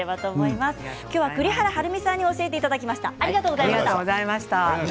栗原はるみさんに教えていただきました。